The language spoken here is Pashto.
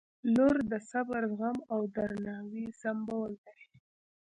• لور د صبر، زغم او درناوي سمبول دی.